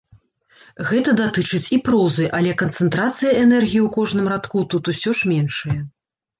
Гэта датычыць і прозы, але канцэнтрацыя энергіі ў кожным радку тут усё ж меншая.